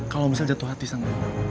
kalo misalnya jatuh hati sama lo